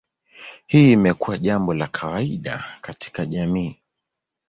Hii imekuwa jambo la kawaida katika jamii.